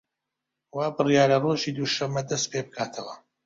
وا بریارە ڕۆژی دووشەممە دەست پێ بکاتەوە